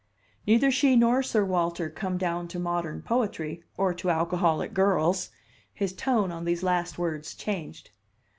"Neither she nor Sir Walter come down to modern poetry or to alcoholic girls." His tone, on these last words, changed.